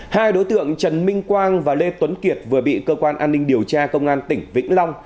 hai đối tượng trần minh quang và lê tuấn kiệt vừa bị cơ quan an ninh điều tra công an tỉnh vĩnh long